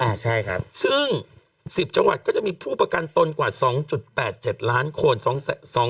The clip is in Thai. ใช่ครับซึ่ง๑๐จังหวัดก็จะมีผู้ประกันตนกว่า๒๘๗ล้านคน